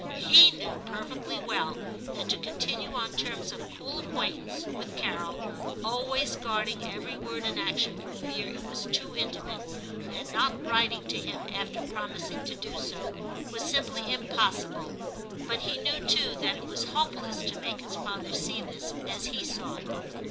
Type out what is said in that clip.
He knew per fectly well that to continue on terms of cool acquaintance with Carol, always guarding every word and action for fear it was too intimate, and not writing to him after pro mising to do so, was simply impossible ; but he knew too that it was hopeless to make his father see this as he saw it.